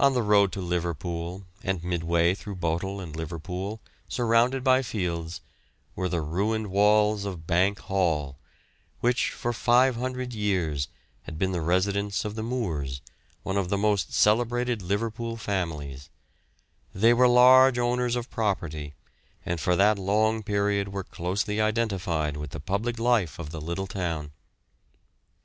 On the road to Liverpool, and midway between Bootle and Liverpool, surrounded by fields, were the ruined walls of Bank Hall, which for 500 years had been the residence of the Moores, one of the most celebrated Liverpool families; they were large owners of property, and for that long period were closely identified with the public life of the little town.